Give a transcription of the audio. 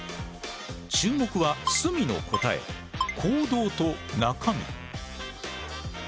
注目は角の答え「行動」と「中身」。